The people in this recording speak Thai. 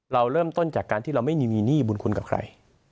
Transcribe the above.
เราเริ่มต้นจากการที่เราไม่มีหนี้บุญคุณกับใคร